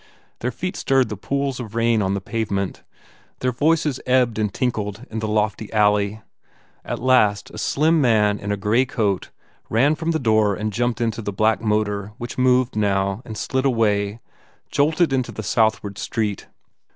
Their feet stirred the pools of rain on the pavement. Their voices ebbed and tinkled in the lofty alley. At last a slim man in 290 THE WALLING a grey coat ran from the door and jumped into the black motor which moved, now, and slid away, jolted into the southward street.